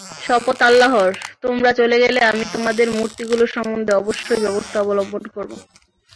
শপথ আল্লাহর, তোমরা চলে গেলে আমি তোমাদের মূর্তিগুলো সম্বন্ধে অবশ্যই ব্যবস্থা অবলম্বন করব।